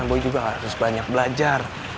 gue juga harus banyak belajar